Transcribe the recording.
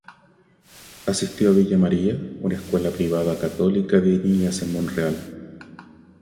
Asistió a Villa María, una escuela privada católica de niñas en Montreal.